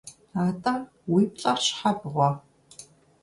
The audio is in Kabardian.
АтӀэ, уи плӀэр щхьэ бгъуэ?